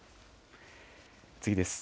次です。